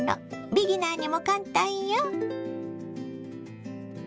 ビギナーにも簡単よ。